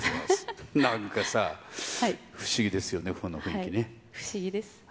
なんかさ、不思議ですよね、不思議です。